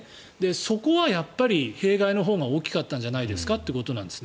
そこはやっぱり、弊害のほうが大きかったんじゃないですかと。